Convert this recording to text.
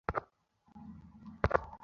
আমার ভাতিজির মুখে অনেক ব্রণ হচ্ছে।